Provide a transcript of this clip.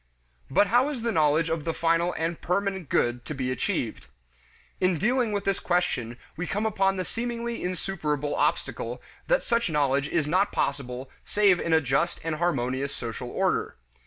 But how is the knowledge of the final and permanent good to be achieved? In dealing with this question we come upon the seemingly insuperable obstacle that such knowledge is not possible save in a just and harmonious social order.